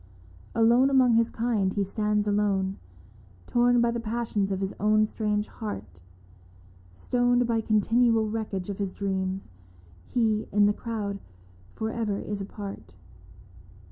Alone among his kind he stands alone, Torn by the passions of his own strange heart, Stoned by continual wreckage of his dreams, He in the crowd for ever is apart.